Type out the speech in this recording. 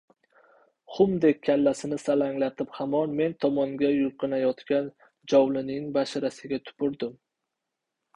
— xumdek kallasini salanglatib hamon men tomonga yulqinayotgan Jovlining basharasiga tupurdim.